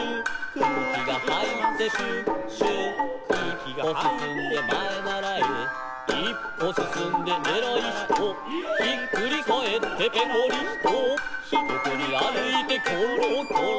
「くうきがはいってピュウピュウ」「いっぽすすんでまえならえ」「いっぽすすんでえらいひと」「ひっくりかえってぺこりんこ」「よこにあるいてきょろきょろ」